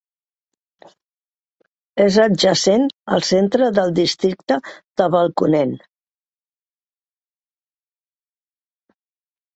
És adjacent al centre del districte de Belconnen.